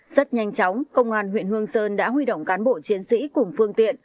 rất nhanh chóng công an huyện hương sơn đã huy động cán bộ chiến sĩ cùng phương tiện